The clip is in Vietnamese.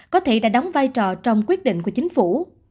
có thể đã đóng vai trò trong quyết định của chính phủ